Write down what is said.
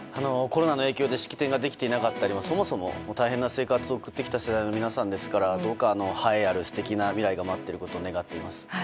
コロナの影響で式典ができていなかったりそもそも大変な生活を送ってきた世代の皆さんですからどうか栄えある素敵な未来が待っていることを願っています。